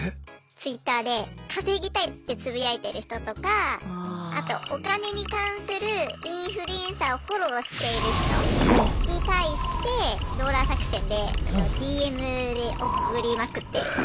Ｔｗｉｔｔｅｒで「稼ぎたい」ってつぶやいてる人とかあとお金に関するインフルエンサーをフォローしている人に対してローラー作戦でＤＭで送りまくって。